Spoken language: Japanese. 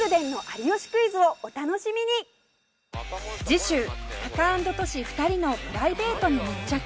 次週タカアンドトシ２人のプライベートに密着